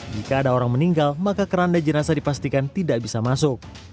jika ada orang meninggal maka keranda jenazah dipastikan tidak bisa masuk